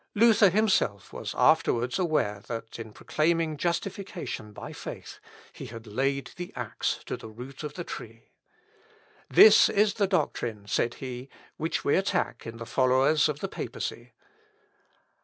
Luther himself was afterwards aware that, in proclaiming justification by faith, he had laid the axe to the root of the tree. "This is the doctrine," said he, "which we attack in the followers of the papacy.